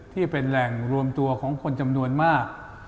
ที่เป็นแหล่งรวมตัวของคนจำนวนมาก